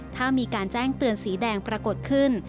ถ้ามีการแจ้งเตือนสีแดงปรากฏขึ้น